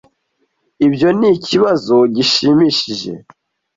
Ibyo nikibazo gishimishije.